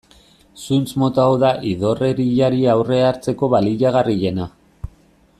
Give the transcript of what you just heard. Zuntz mota hau da idorreriari aurre hartzeko baliagarriena.